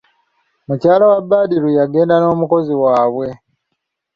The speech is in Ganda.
Mukyala wa Badru yagenda n'omukozi waabwe.